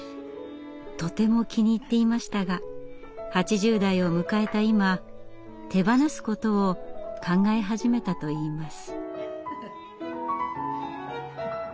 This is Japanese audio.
とても気に入っていましたが８０代を迎えた今手放すことを考え始めたといいます。